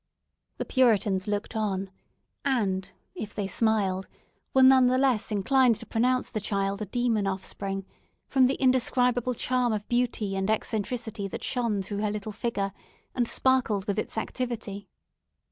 The Puritans looked on, and, if they smiled, were none the less inclined to pronounce the child a demon offspring, from the indescribable charm of beauty and eccentricity that shone through her little figure, and sparkled with its activity.